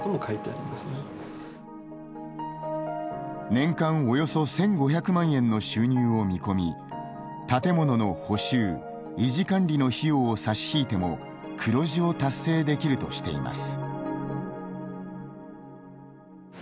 年間およそ１５００万円の収入を見込み建物の補修・維持管理の費用を差し引いても黒字を達成できるとしています。